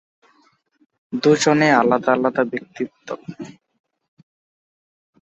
দুজনেই আলাদা আলাদা ব্যক্তিত্ব।